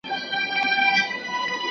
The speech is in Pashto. ¬ د بل کټ تر نيمو شپو دئ.